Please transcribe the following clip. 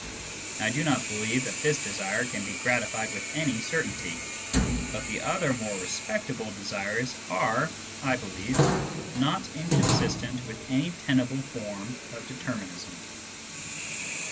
I do not believe that this desire can be gratified with any certainty ; but the other, more respectable desires are, I believe, not inconsistent with any tenable form of determinism.